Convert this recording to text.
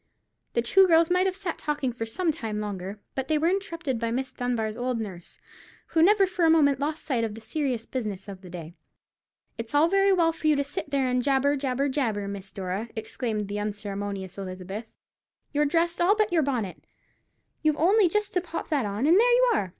The two girls might have sat talking for some time longer, but they were interrupted by Miss Dunbar's old nurse, who never for a moment lost sight of the serious business of the day. "It's all very well for you to sit there jabber, jabber, jabber, Miss Dora," exclaimed the unceremonious Elizabeth; "you're dressed, all but your bonnet. You've only just to pop that on, and there you are.